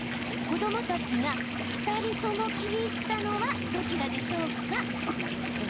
子どもたちが２人とも気に入ったのはどちらでしょうか。